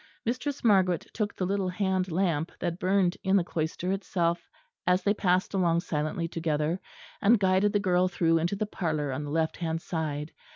Mistress Margaret took the little hand lamp that burned in the cloister itself as they passed along silently together, and guided the girl through into the parlour on the left hand side.